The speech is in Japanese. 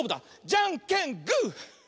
じゃんけんグー！